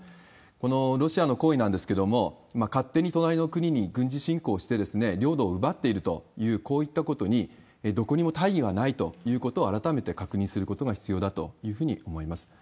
このロシアの行為なんですけれども、勝手に隣の国に軍事侵攻して領土を奪っているという、こういったことに、どこにも大義はないということは改めて確認することが必要だというふうに思います。